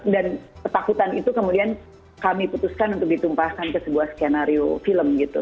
dan ketakutan itu kemudian kami putuskan untuk ditumpahkan ke sebuah skenario film gitu